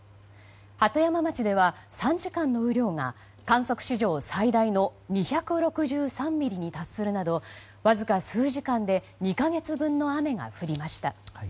鳩山町では３時間の雨量が観測史上最大の２６３ミリに達するなどわずか数時間で２か月分の雨が降りました。